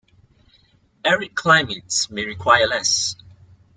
Arid climates may require less.